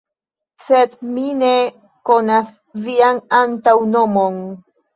Sed mi ne konas vian antaŭnomon.